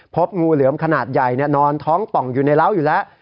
พบงูเหลือมขนาดใหญ่นอนท้องป่องอยู่ในร้าวอยู่แล้ว